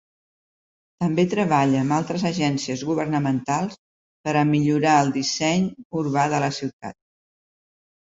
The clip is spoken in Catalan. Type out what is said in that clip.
També treballa amb altres agències governamentals per a millorar el disseny urbà de la ciutat.